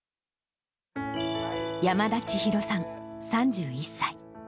山田千紘さん３１歳。